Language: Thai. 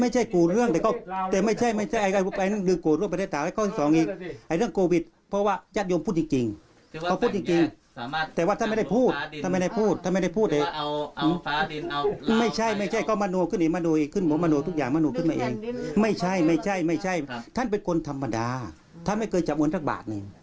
ใช่ท่านเป็นคนธรรมดาท่านไม่เคยจำวนทักบาท